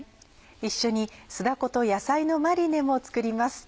一緒に「酢だこと野菜のマリネ」も作ります。